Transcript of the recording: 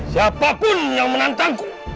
siapapun yang menantangku